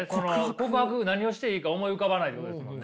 告白何をしていいか思い浮かばないってことですもんね。